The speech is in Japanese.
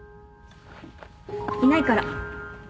いないから